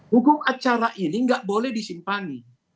hukum acara ini nggak boleh disimpangi